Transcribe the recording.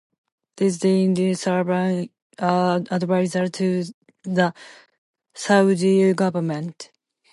Izzi Dien served as an adviser to the Saudi government.